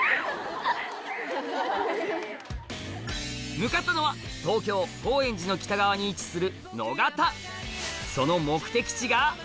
向かったのは東京・高円寺の北側に位置する